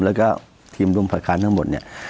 แล้วก็ทีมรุมประการทั้งหมดเนี่ย